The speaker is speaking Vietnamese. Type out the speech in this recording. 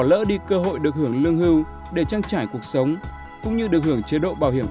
lỡ đi cơ hội được hưởng lương hưu để trang trải cuộc sống cũng như được hưởng chế độ bảo hiểm